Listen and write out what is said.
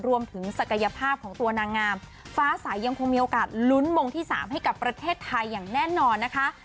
ศักยภาพของตัวนางงามฟ้าสายยังคงมีโอกาสลุ้นมงที่๓ให้กับประเทศไทยอย่างแน่นอนนะคะ